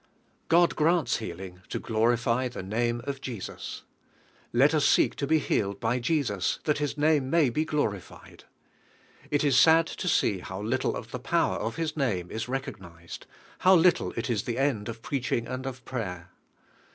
God grants healing to glorify the name of Jesus. Let us seek bo be hailed by Je ' bus that His name may be glorified. It is sad to see how little the power of His name is recognised, how little it is the end of preaching and of prayer.